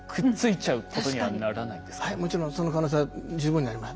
はいもちろんその可能性は十分にあります。